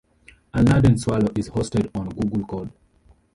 Unladen Swallow is hosted on Google Code.